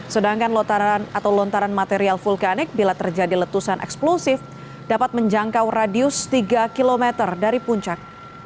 sedangkan atau lontaran material vulkanik bila terjadi letusan eksplosif dapat menjangkau radius tiga km dari puncak